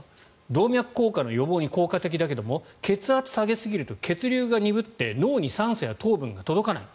動脈硬化の予防に効果的だけども血圧を下げすぎると血流が鈍って脳に酸素や糖分が届かない。